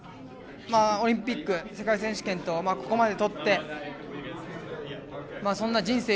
オリンピック、世界選手権とここまで取ってそんな、人生